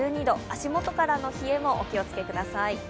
足元からの冷えもお気を付けください。